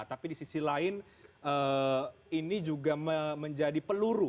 tapi di sisi lain ini juga menjadi peluru